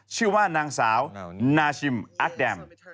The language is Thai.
ชื่อว่านางสาวนาชิมอัดแดม